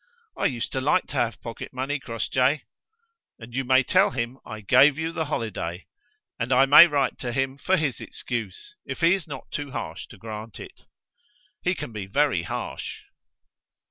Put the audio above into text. I used to like to have pocket money, Crossjay. And you may tell him I gave you the holiday, and I may write to him for his excuse, if he is not too harsh to grant it. He can be very harsh."